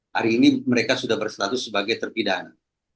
hari ini mereka sudah berstatus sebagai terpidana